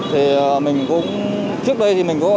trước đây thì mình cũng